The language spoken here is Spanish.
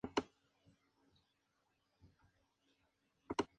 En sus primeras obras es característica una prosa con estructura poco desarrollada.